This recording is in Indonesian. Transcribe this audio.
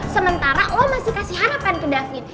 sementara lo masih kasih harapan ke dafin